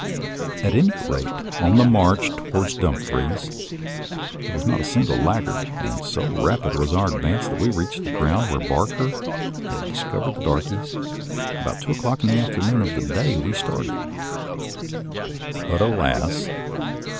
At any rate, on the march toward Dum fries there was not a single laggard, and so rapid was our advance that we reached the ground where Barker had discovered the darkies, about two o'clock in the afternoon of the day we started. But, alas!